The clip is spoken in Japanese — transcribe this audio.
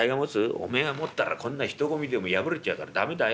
おめえが持ったらこんな人混みでも破れちゃうから駄目だよ。